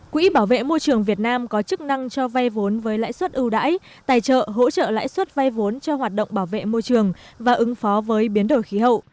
quỹ bảo vệ môi trường việt nam có chức năng cho vay vốn với lãi suất ưu đãi tài trợ hỗ trợ lãi suất vay vốn cho hoạt động bảo vệ môi trường và ứng phó với biến đổi khí hậu